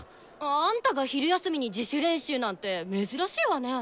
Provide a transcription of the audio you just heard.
あんたが昼休みに自主練習なんて珍しいわね。